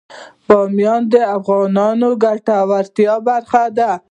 بامیان د افغانانو د ګټورتیا برخه ده.